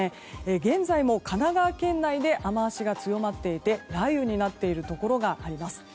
現在も神奈川県内で雨脚が強まっていて雷雨になっているところがあります。